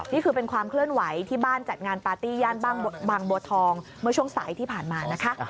นี่คือเป็นความเคลื่อนไหวที่บ้านจัดงานปาร์ตี้ย่านบางบัวทองเมื่อช่วงสายที่ผ่านมานะคะ